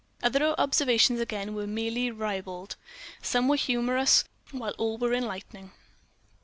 Other observations, again, were merely ribald, some were humorous, while all were enlightening.